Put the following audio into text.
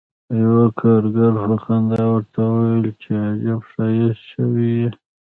یوه کارګر په خندا ورته وویل چې عجب ښایسته شوی یې